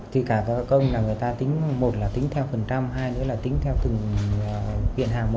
thì cả đã công là người ta tính một là tính theo phần trăm hai nữa là tính theo từng viện hàng